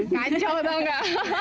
kacau tau gak